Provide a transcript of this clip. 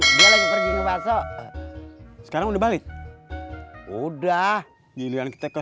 udah rod dia bilang dia lagi pergi ngebahas sekarang udah balik udah giliran kita ke